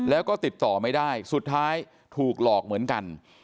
แล้วก็ติดต่อไม่ได้สุดท้ายถูกหลอกเหมือนกัน